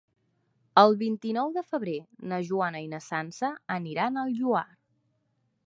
El vint-i-nou de febrer na Joana i na Sança aniran al Lloar.